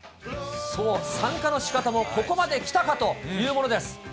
そう、参加のしかたもここまで来たかというものです。